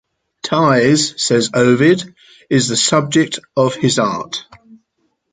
Thais, says Ovid, is the subject of his art.